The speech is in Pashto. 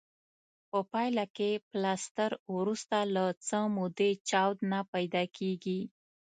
په پایله کې پلستر وروسته له څه مودې چاود نه پیدا کوي.